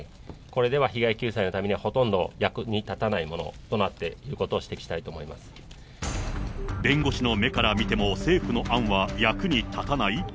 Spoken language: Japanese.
これでは被害救済のためにはほとんど役に立たないものとなってい弁護士の目から見ても政府の案は役に立たない？